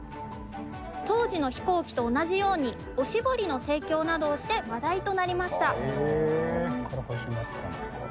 当時の飛行機と同じようにおしぼりの提供などをして話題となりました。